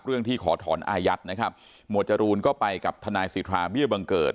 ที่ขอถอนอายัดนะครับหมวดจรูนก็ไปกับทนายสิทธาเบี้ยบังเกิด